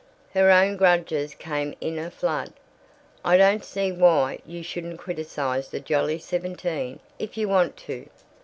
Her own grudges came in a flood. "I don't see why you shouldn't criticize the Jolly Seventeen if you want to.